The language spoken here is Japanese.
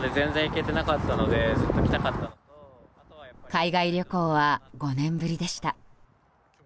海外旅行は５年ぶりでした。